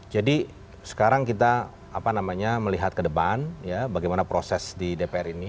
jadi sekarang kita apa namanya melihat ke depan ya bagaimana proses di dpr ini